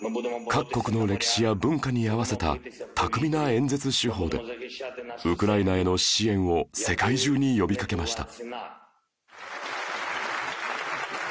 各国の歴史や文化に合わせた巧みな演説手法でウクライナへの支援を世界中に呼びかけました